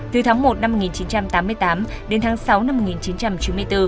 từ tháng một năm một nghìn chín trăm tám mươi tám đến tháng sáu năm một nghìn chín trăm chín mươi bốn